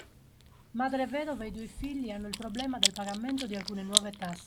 Madre vedova e i due figli hanno il problema del pagamento di alcune nuove tasse